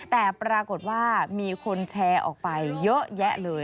แต่ปรากฏว่ามีคนแชร์ออกไปเยอะแยะเลย